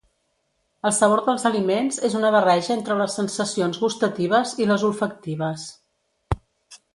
El sabor dels aliments és una barreja entre les sensacions gustatives i les olfactives.